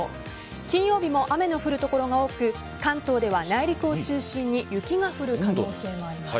金曜日も雨の降る所が多く関東では内陸を中心に雪が降る可能性もあります。